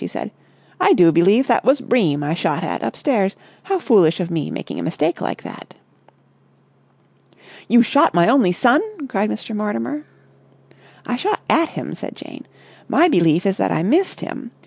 she said. "I do believe that was Bream I shot at upstairs. How foolish of me making a mistake like that!" "You shot my only son!" cried Mr. Mortimer. "I shot at him," said Jane. "My belief is that I missed him.